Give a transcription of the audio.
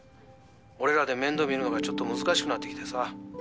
俺らで面倒見るのがちょっと難しくなってきてさ。